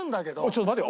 ちょっと待って。